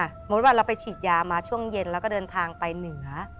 สมมุติว่าเราไปฉีดยามาช่วงเย็นแล้วก็เดินทางไปเหนือ